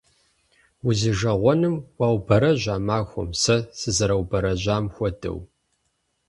Узижэгъуэным уаубэрэжь а махуэм сэ сызэраубэрэжьам хуэдэу!